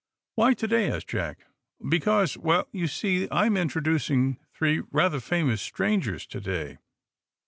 "Why to day?" asked Jack. "Because well, you see, I am introducing three rather famous strangers to day."